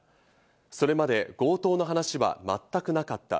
それまで強盗の話は全くなかった。